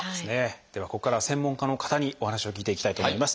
ではここからは専門家の方にお話を聞いていきたいと思います。